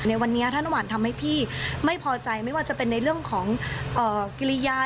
ในวันนี้ถ้าน้ำหวานทำให้พี่ไม่พอใจไม่ว่าจะเป็นในเรื่องของกิริยา